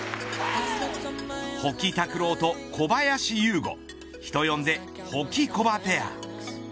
保木卓朗と小林優吾人呼んでホキコバペア。